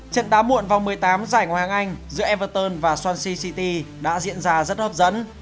trận đá muộn vòng một mươi tám giải hoa hàng anh giữa everton và swansea city đã diễn ra rất hấp dẫn